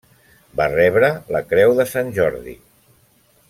Va rebre la Creu de Sant Jordi.